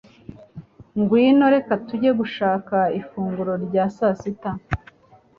Ngwino, reka tujye gushaka ifunguro rya sasita